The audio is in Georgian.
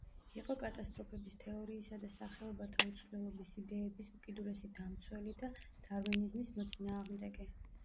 იყო კატასტროფების თეორიისა და სახეობათა უცვლელობის იდეების უკიდურესი დამცველი და დარვინიზმის მოწინააღმდეგე.